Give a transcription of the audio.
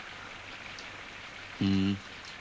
うん。